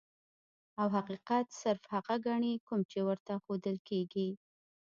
او حقيقت صرف هغه ګڼي کوم چي ورته ښودل کيږي.